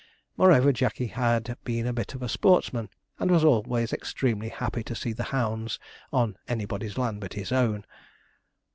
Moreover, Jackey had been a bit of a sportsman, and was always extremely happy to see the hounds on anybody's land but his own.